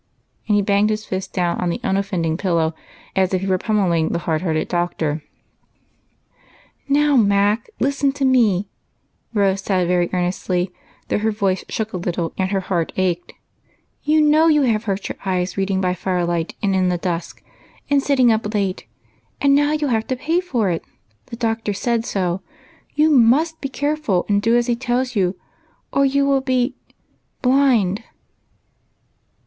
and he banged his fist down on the unoffending ])illow as if he were pommelling the hard hearted doctor. 124 EIGHT COUSINS. " Now, Mac, listen to me," Rose said very earnestly, though her voice shook a little and her heart ached. " You know you have hurt your eyes reading by fire light and in the dusk, and sitting up late, nnd now you '11 have to pay for it ; the doctor said so. You 7nust be careful, and do as he tells you, or you will be — blind."